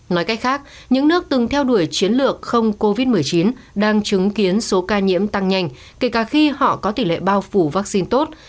nói cách khác những nước từng theo đuổi chiến lược không covid một mươi chín đang chứng kiến số ca nhiễm tăng nhanh kể cả khi họ có tỷ lệ bao phủ vaccine tốt